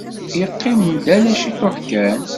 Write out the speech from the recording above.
Yeqqim-d ala ciṭuḥ kan.